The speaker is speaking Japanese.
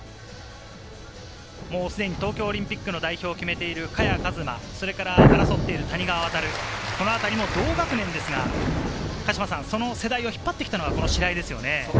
すでに東京オリンピックの代表を決めている萱和磨、それから争っている谷川航、そのあたりも同学年ですが、その世代を引っ張ってきたのは白井ですね。